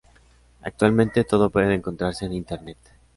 Actualmente todo puede encontrarse en Internet.